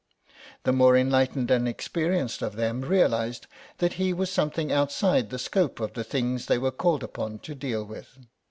The more enlightened and experienced of them realised that he was something outside the scope of the things that they were called upon to deal with.